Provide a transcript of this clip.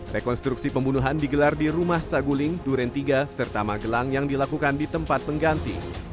rekonstruksi pembunuhan digelar di rumah saguling duren tiga serta magelang yang dilakukan di tempat pengganti